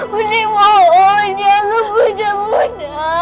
bening mohon jangan pecah muda